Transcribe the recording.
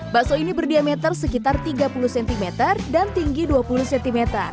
bakso ini berdiameter sekitar tiga puluh cm dan tinggi dua puluh cm